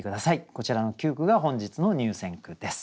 こちらの９句が本日の入選句です。